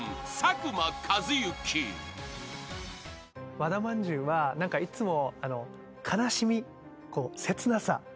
和田まんじゅうはいつも。